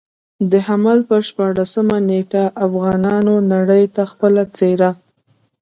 د حمل پر شپاړلسمه نېټه افغانانو نړۍ ته خپله څېره.